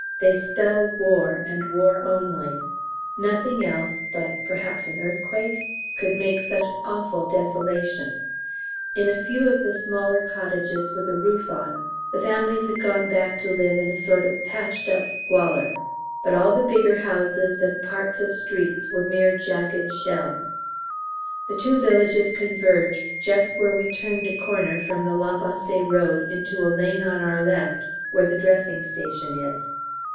They spell War, and War only nothing else (but perhaps an earthquake?) could make such awful desolation; in a few of the smaller cottages with a roof on, the families had gone back to live in a sort of patched up squalor, but all the bigger houses and parts of streets were mere jagged shells. The two villages converge just where we turned a corner from the La Bassée road into a lane on our left where the dressing station is.